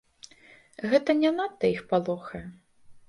Гэта не надта іх палохае.